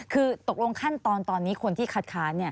คือตกลงขั้นตอนตอนนี้คนที่คัดค้าน